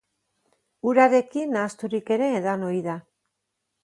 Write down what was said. Urarekin nahasturik ere edan ohi da.